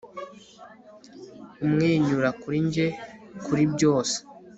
umwenyura kuri njye kuri byose